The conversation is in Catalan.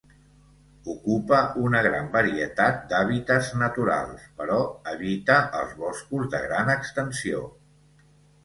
Ocupa una gran varietat d'hàbitats naturals, però evita els boscos de gran extensió.